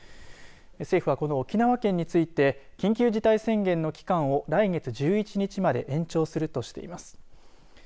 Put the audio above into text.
政府は、この沖縄県について緊急事態宣言の期間を来月１１日まで延長するとしています。